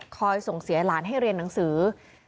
ส่งเสียหลานให้เรียนหนังสือ